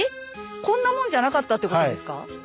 こんなもんじゃなかったってことですか？